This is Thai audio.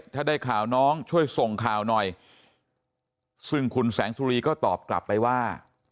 ถ้าได้ข่าวน้องช่วยส่งข่าวหน่อยซึ่งคุณแสงสุรีก็ตอบกลับไปว่า